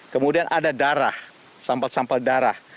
kemudian ada darah sampel sampel darah